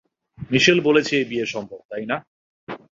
মিশেল বলেছে এই বিয়ে সম্ভব, তাই না?